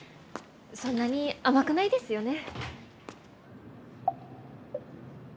そんなに甘くないですよね。